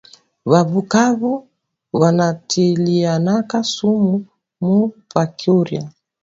Ba bukavu banatilianaka sumu mu bya kurya